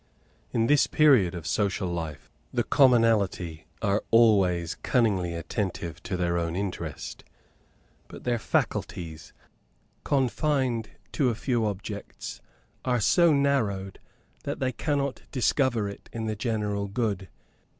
In this period of social life the commonalty are always cunningly attentive to their own interest; but their faculties, confined to a few objects, are so narrowed, that they cannot discover it in the general good.